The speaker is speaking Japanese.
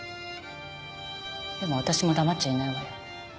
でも私も黙っちゃいないわよ。